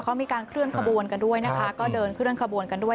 เขามีการเคลื่อนขบวนกันด้วยนะคะก็เดินเคลื่อนขบวนกันด้วย